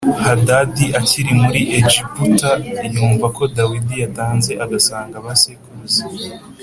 Hadadi akiri muri egiputa yumva ko dawidi yatanze agasanga ba sekuruza